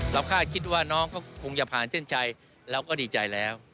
คาดคิดว่าน้องเขาคงจะผ่านเส้นชัยเราก็ดีใจแล้ว